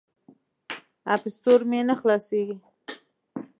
اپ سټور مې نه خلاصیږي.